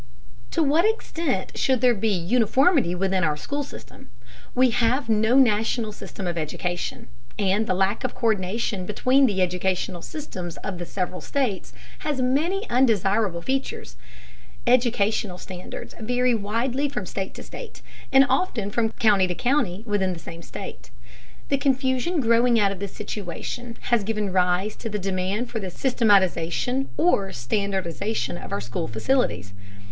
To what extent should there be uniformity within our school system? We have no national system of education, and the lack of co÷rdination between the educational systems of the several states has many undesirable features. Educational standards vary widely from state to state, and often from county to county within the same state. The confusion growing out of this situation has given rise to the demand for the systematization or standardization of our school facilities.